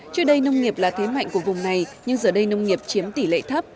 trước đây nông nghiệp là thế mạnh của vùng này nhưng giờ đây nông nghiệp chiếm tỷ lệ thấp